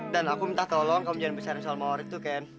dan aku minta tolong kamu jangan besarin soal maury tuh ken